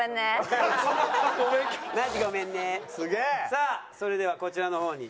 さあそれではこちらの方に。